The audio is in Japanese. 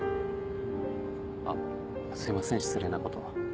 あすいません失礼なこと。